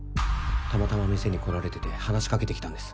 たまたま店に来られてて話しかけてきたんです。